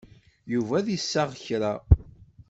Yuba ad d-iseɣ kra.